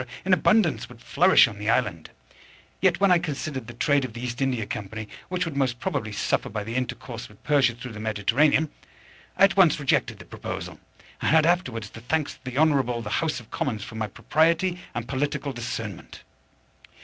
in abundance would flourish on the island; yet, when I considered the trade of the East India Company, which would most probably suffer by the intercourse with Persia through the Mediterranean, I at once rejected the proposal, and had afterwards the thanks of the Honourable the House of Commons for my propriety and political discernment.